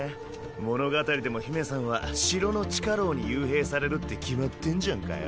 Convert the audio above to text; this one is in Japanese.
物語でも姫さんは城の地下牢に幽閉されるって決まってんじゃんかよ。